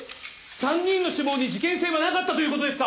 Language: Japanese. ３人の死亡に事件性はなかったという事ですか？